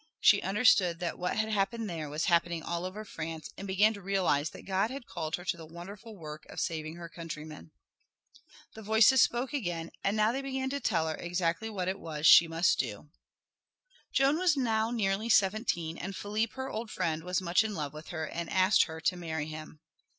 She understood that what had happened there was happening all over France and began to realize that God had called her to the wonderful work of saving her countrymen. The voices spoke again, and now they began to tell her exactly what it was that she must do. Joan was now nearly seventeen, and Philippe, her old friend, was much in love with her and asked her to marry him.